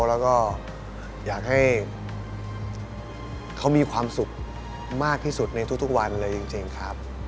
แล้วก็อยากให้เขามีความสุขมากที่สุดในทุกวันเลยจริงครับ